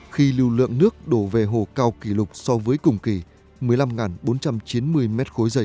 khi lưu lượng nước đổ về hồ cao kỷ lục so với cùng kỳ một mươi năm bốn trăm chín mươi m ba